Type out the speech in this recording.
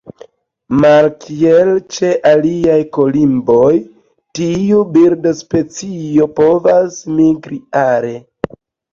Malkiel ĉe aliaj kolimboj, tiu birdospecio povas migri are.